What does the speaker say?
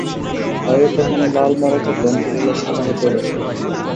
বাইরে তখন লাল মড়কের ধ্বংসলীলা সমানে চলেছে।